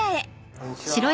こんにちは。